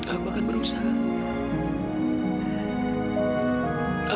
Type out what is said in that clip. aku akan berusaha